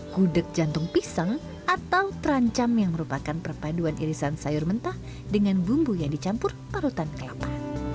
gudeg jantung pisang atau terancam yang merupakan perpaduan irisan sayur mentah dengan bumbu yang dicampur parutan kelapa